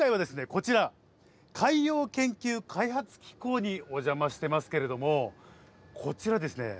こちら海洋研究開発機構にお邪魔してますけれどもこちらですね